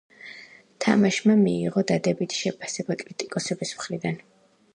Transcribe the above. თამაშმა მიიღო დადებითი შეფასება კრიტიკოსების მხრიდან.